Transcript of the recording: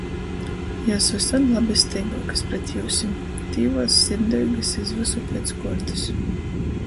Juos vysod labesteiguokys pret jiusim. Tīvuos sirdeigys iz vysu piec kuortys.